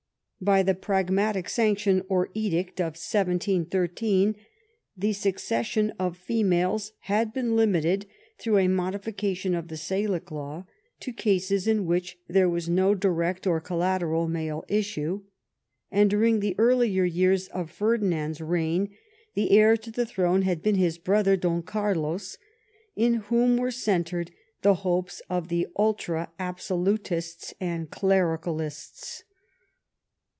By the Pragmatic Sanction, or edict, of 1718, the suc cession of females had been limited, through a modifi cation of the Salic law, to cases in which there was no direct or collateral male issue, and during the earlier years of Ferdinand's reign the heir to the throne had been his brother Don Carlos, in whom were centred the hopes of the Ultra Absolutists and Clericalists.